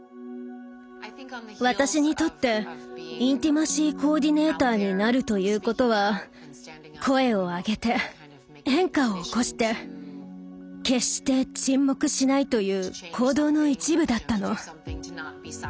私にとってインティマシー・コーディネーターになるということは声を上げて変化を起こして決して沈黙しないという行動の一部だったの。